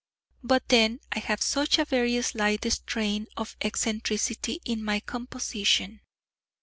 But then I have such a very slight strain of eccentricity in my composition!